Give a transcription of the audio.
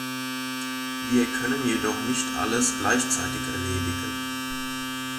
Wir können jedoch nicht alles gleichzeitig erledigen.